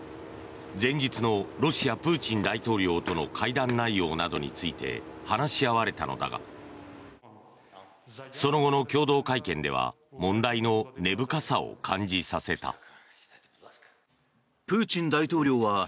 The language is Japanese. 前日のロシア、プーチン大統領との会談内容などについて話し合われたのだがその後の共同会見では問題の根深さを感じさせた。